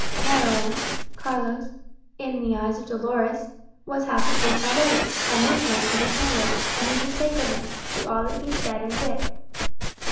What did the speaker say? Moreover Carlos, in the eyes of Dolores, was half a priest already, and this lent additional weight, and even sacredness, to all that he said and did.